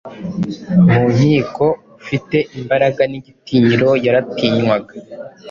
Mu nkiko ufite imbaraga n‟igitinyiro yaratinywaga,